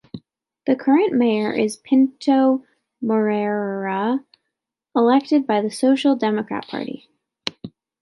The current Mayor is Pinto Moreira, elected by the Social Democrat Party.